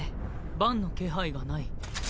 バンの気配がない。